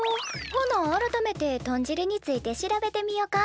ほな改めて豚汁について調べてみよか。